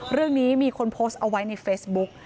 เรื่องนี้มีคนโพสต์เอาไว้ในเฟซบุ๊ก